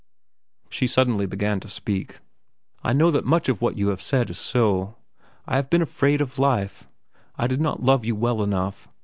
She suddenly began to speak. "I know that much you have said is so. I have been afraid of life. I did not love you well enough.